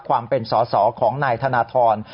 ความเป็นสอสอของนายธนทร